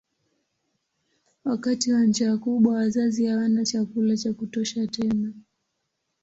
Wakati wa njaa kubwa wazazi hawana chakula cha kutosha tena.